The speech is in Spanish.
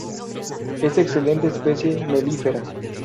Es excelente especie melífera.